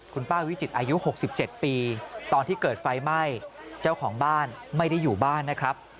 คุณป้าวิจิตรอายุ๖๗ปีตอนที่เกิดไฟไหม้เจ้าของบ้านไม่ได้อยู่บ้านนะครับ